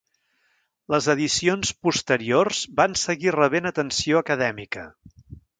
Les edicions posteriors van seguir rebent atenció acadèmica.